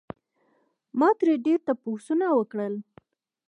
ما ترې ډېر تپوسونه وکړل